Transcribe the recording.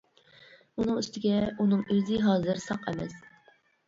ئۇنىڭ ئۈستىگە، ئۇنىڭ ئۆزى ھازىر ساق ئەمەس.